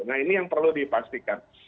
nah ini yang perlu dipastikan